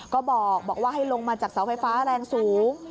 ก็บอกว่าให้ลงมาจากเสาไฟฟ้าแรงสูง